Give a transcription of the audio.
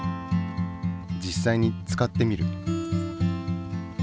実際に使ってみる。